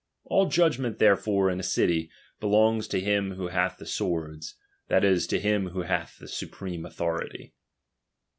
All judgment therefore, in chap. vi. a city, belongs to him who hath the swords ; that is, '■' to him who hath the supreme authority.